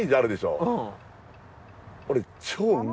俺。